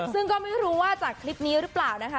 ซึ่งก็ไม่รู้ว่าจากคลิปนี้หรือเปล่านะคะ